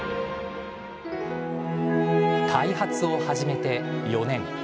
開発を始めて４年。